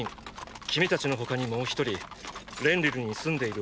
君たちの他にもう１人レンリルに住んでいる男だ。